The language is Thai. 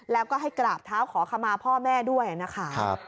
แล้วก็ให้กราบเท้าขอขมาพ่อแม่ด้วยนะคะ